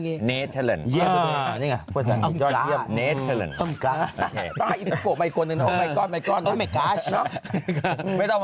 เออเนเทอร์แลนด์